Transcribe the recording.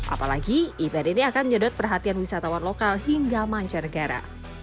apalagi event ini akan menjadat perhatian wisatawan lokal hingga manca negara